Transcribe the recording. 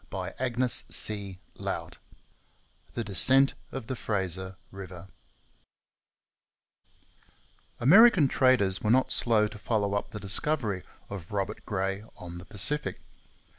CHAPTER VI THE DESCENT OF THE FRASER RIVER American traders were not slow to follow up the discovery of Robert Gray on the Pacific.